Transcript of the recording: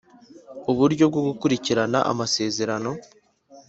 Uburyo bwo gukurikirana amasezerano